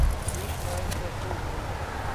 วี้ดว้ายกระตู้วู้